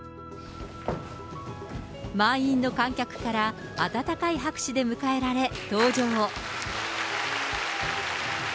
満員の観客から温かい拍手で迎えられ、登場。